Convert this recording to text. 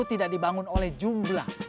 tidak dibangun oleh jumlah